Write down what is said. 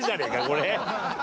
これ。